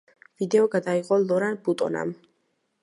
ვიდეო გადაიღო ლორან ბუტონამ.